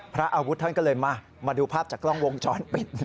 พระอาวุธท่านก็เลยมาดูภาพจากกล้องวงจรปิด